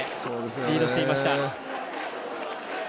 リードしていました。